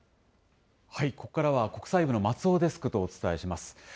ここからは国際部の松尾デスクとお伝えします。